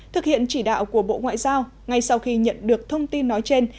thực hiện chỉ đạo của bộ ngoại giao ngay sau khi nhận được thông tin nói trên